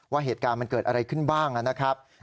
ว่าเหตุการณ์มันเกิดอะไรขึ้นบ้างนะครับ